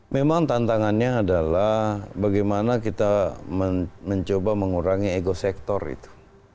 memang tantangannya adalah bagaimana kita mencoba mengurangi ego sektor itu